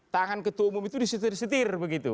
tangan ketua umum itu disetir setir begitu